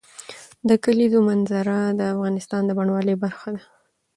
د کلیزو منظره د افغانستان د بڼوالۍ برخه ده.